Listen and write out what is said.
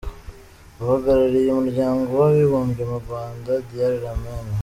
Uhagarariye Umuryango w’Abibumbye mu Rwanda, Dr Lamin M.